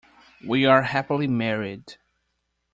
We are happily married.